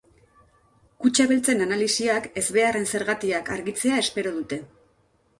Kutxa beltzen analisiak ezbeharraren zergatiak argitzea espero dute.